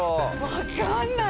わかんない。